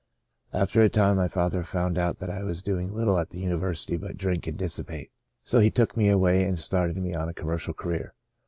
After a time, my father found out that I was doing little at the university but drink and dissipate. So he took me away and started me on a commercial career.